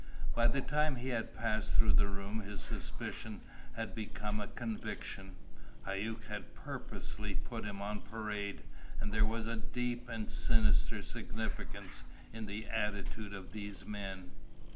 By the time he had passed through the room his suspicion had become a conviction. Hauck had purposely put him on parade, and there was a deep and sinister significance in the attitude of these men.